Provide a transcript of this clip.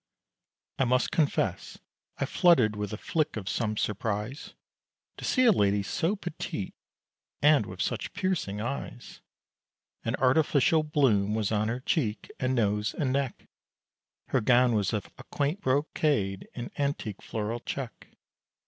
I must confess, I fluttered with a flick of some surprise, To see a lady so petite, and with such piercing eyes, An artificial bloom was on her cheek, and nose, and neck, Her gown was of a quaint brocade in antique floral check.